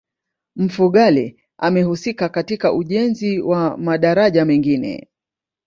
mfugale amehusika katika ujenzi wa madaraja mengine